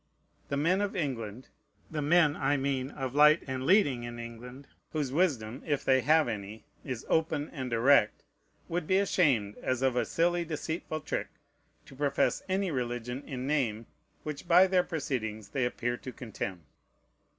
The men of England, the men, I mean, of light and leading in England, whose wisdom (if they have any) is open and direct, would be ashamed, as of a silly, deceitful trick, to profess any religion in name, which by their proceedings they appear to contemn.